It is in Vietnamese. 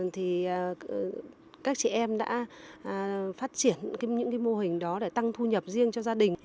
thì các chị em đã phát triển những cái mô hình đó để tăng thu nhập riêng cho gia đình